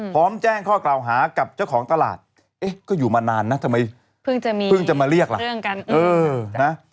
พร้อมแจ้งข้อกล่าวหากับเจ้าของตลาดเอ๊ะก็อยู่มานานนะทำไมเพิ่งจะมาเรียกล่ะเรื่องกัน